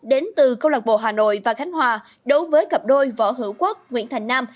đến từ câu lạc bộ hà nội và khánh hòa đối với cặp đôi võ hữu quốc nguyễn thành nam